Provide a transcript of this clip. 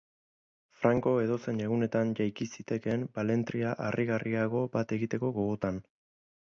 Franco edozein egunetan jaiki zitekeen balentria harrigarriago bat egiteko gogotan.